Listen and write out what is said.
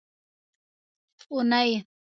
اونۍ